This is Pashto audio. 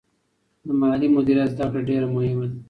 د مالي مدیریت زده کړه ډېره مهمه ده.